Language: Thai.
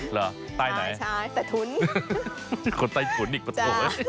หรือตายไหนใช่แต่ทุนคนตายทุนอีกประโยชน์